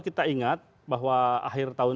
kita ingat bahwa akhir tahun